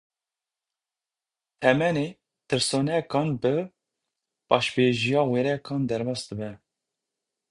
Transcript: Temenê tirsonekan, bi paşbêjiya wêrekan derbas dibe.